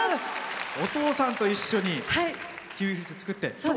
お父さんと一緒にキウイ、作って。